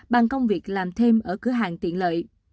bằng công việc làm thêm ở cửa hàng tiện lợi